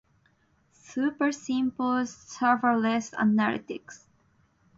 Super simple serverless analytics